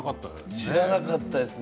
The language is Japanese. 知らなかったですよね。